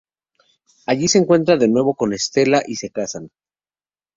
Allí se encuentra de nuevo con Stella y se casan.